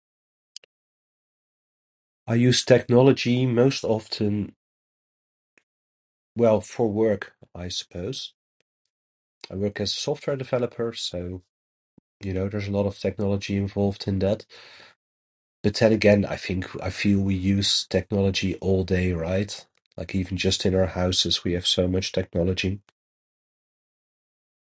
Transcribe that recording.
I use technology most often... well, for work, I suppose. I work as a software developer, so, you know, there's a lot of technology involved in that. But then again, I think w- I feel we use technology all day, right? Like, even just in our houses we have so much technology.